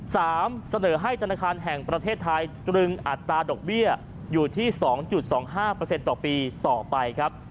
สามเสนอให้ธนาคารแห่งประเทศไทยดึงอัตราดอกเบี้ยอยู่ที่๒๒๕ต่อปีต่อไปครับ